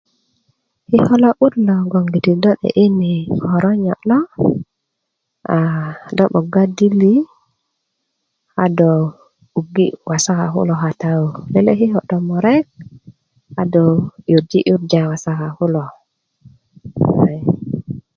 kiko' lo'but logoŋ do 'de'yiri koronyo' lo aaa do 'bogga dili a do'buggi' wasaka kulo kata yu lele' kiko' tomurek a do 'yurji' 'yurja wasaka kulo